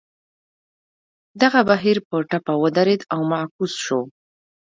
دغه بهیر په ټپه ودرېد او معکوس شو.